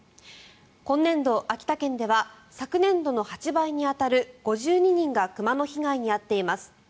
今年度、秋田県では昨年度の８倍に当たる５２人が熊の被害に遭っています。